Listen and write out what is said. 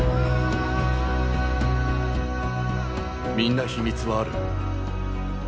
みんな、秘密はある。